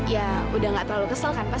ya udah nggak terlalu kesel kan pak